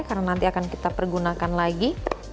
karena nanti akan kita pergunakan lagi